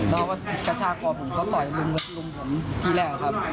แล้วก็กระชากก่อผมก็ต่อยรุมผมที่แรกครับ